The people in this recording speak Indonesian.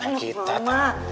anak kita tau